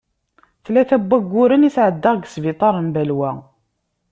Tlata n wagguren i sεeddaɣ di sbiṭar n Balwa.